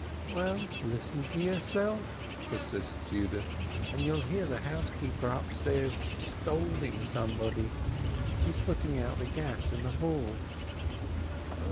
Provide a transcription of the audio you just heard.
"Well, listen for yourself," persists Yudith, "and you'll hear the housekeeper upstairs scolding somebody. She's putting out the gas in the hall."